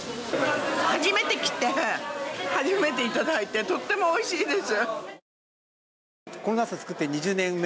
初めて来て初めていただいてとってもおいしいです。